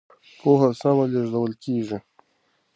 پوهه سم لېږدول کېږي.